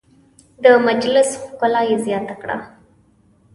د مجلس ښکلا یې زیاته کړه.